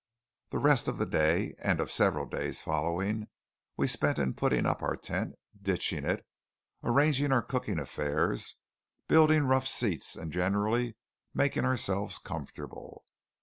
The rest of the day, and of several days following, we spent in putting up our tent, ditching it, arranging our cooking affairs, building rough seats, and generally making ourselves comfortable.